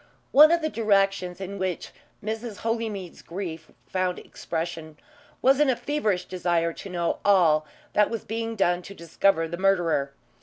One of the directions in which Mrs. Holymead's grief found expression was in a feverish desire to know all that was being done to discover the murderer.